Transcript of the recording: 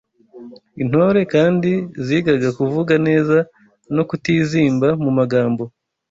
Intore kandi zigaga kuvuga neza no kutizimba mu magambo